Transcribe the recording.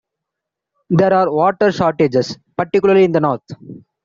There are water shortages, particularly in the north.